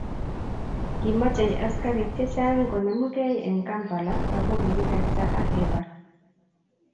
kimochei askarik chechang' konemugei eng' Kampala ako kikikerta ak kebar.